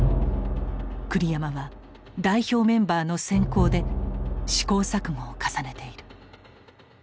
栗山は代表メンバーの選考で試行錯誤を重ねている。